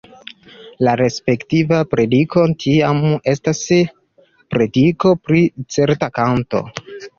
La respektiva prediko tiam estas prediko pri certa kanto.